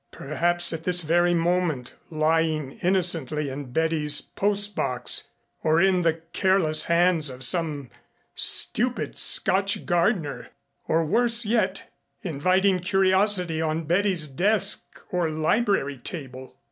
Perhaps at this very moment lying innocently in Betty's post box or in the careless hands of some stupid Scotch gardener, or worse yet inviting curiosity on Betty's desk or library table.